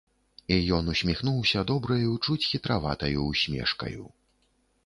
І ён усміхнуўся добраю, чуць хітраватаю ўсмешкаю.